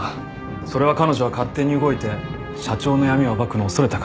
それは彼女が勝手に動いて社長の闇を暴くのを恐れたからですよね？